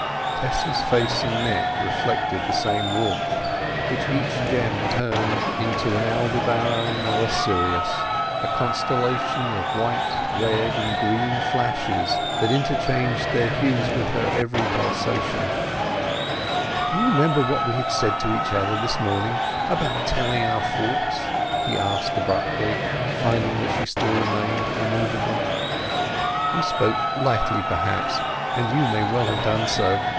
Tess's face and neck reflected the same warmth, which each gem turned into an Aldebaran or a Sirius—a constellation of white, red, and green flashes, that interchanged their hues with her every pulsation. "Do you remember what we said to each other this morning about telling our faults?" he asked abruptly, finding that she still remained immovable. "We spoke lightly perhaps, and you may well have done so.